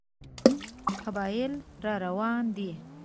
قبایل را روان دي.